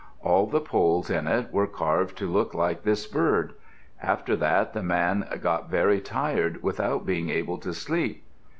All the poles in it were carved to look like this bird. After that the man got very tired without being able to sleep.